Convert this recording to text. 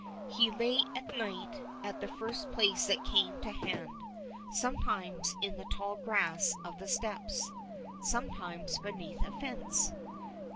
He lay at night at the first place that came to hand, sometimes in the tall grass of the steppes, sometimes beneath a fence.